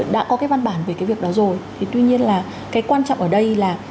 đã có cái văn bản về cái việc đó rồi thì tuy nhiên là cái quan trọng ở đây là